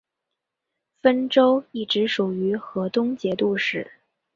汾州一直属于河东节度使。